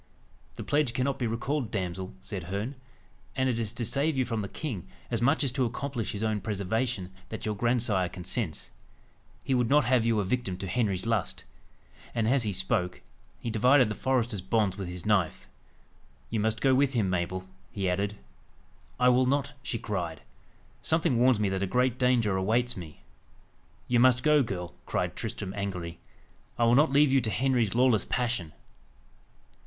"The pledge cannot be recalled, damsel," said Herne; "and it is to save you from the king, as much as to accomplish his own preservation, that your grandsire consents. He would not have you a victim to Henry's lust." And as he spoke, he divided the forester's bonds with his knife. "You must go with him, Mabel," he added. "I will not!" she cried. "Something warns me that a great danger awaits me." "You must go, girl," cried Tristram angrily. "I will not leave you to Henry's lawless passion."